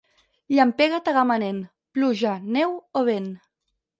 Llampega a Tagamanent, pluja, neu o vent.